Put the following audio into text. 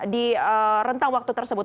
di rentang waktu tersebut